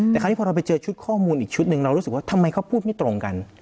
แต่คราวนี้พอเราไปเจอชุดข้อมูลอีกชุดหนึ่งเรารู้สึกว่าทำไมเขาพูดไม่ตรงกัน